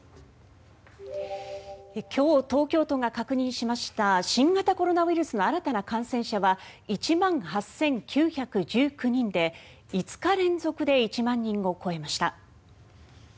今日、東京都が確認した新型コロナウイルスの新たな感染者は１万８９１９人で５日連続で１万人を超えました。